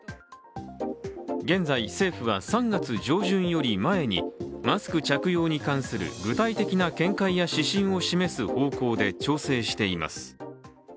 現在、政府は３月上旬より前にマスク着用に関する具体的な見解や指針を示す方向で調整しています。